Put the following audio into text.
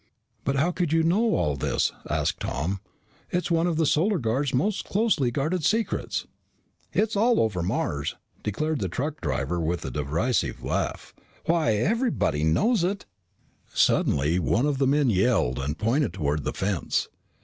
"But how could you know all this?" asked Tom. "It is one of the Solar Guard's most closely guarded secrets." "It's all over Mars," declared the truck driver with a derisive laugh. "Why, everybody knows it." Suddenly one of the men yelled and pointed toward the fence.